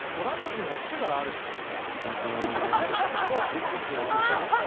歴史を言うてる。